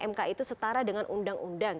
mk itu setara dengan undang undang